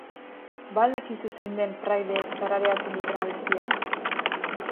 Ba al dakizu zein den praileek tarareatzen duten abestia?